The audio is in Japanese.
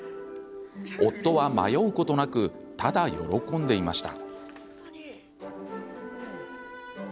夫は迷うことなくただ喜んでいました。